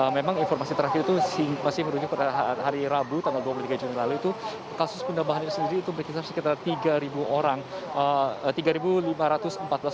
memang informasi terakhir itu masih merujuk pada hari rabu tanggal dua puluh tiga juni lalu itu kasus pendambahan itu sendiri itu berkisar sekitar tiga orang